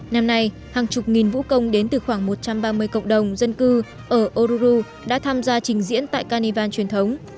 năm nay hàng chục nghìn vũ công đến từ khoảng một trăm ba mươi cộng đồng dân cư ở oru đã tham gia trình diễn tại carnival truyền thống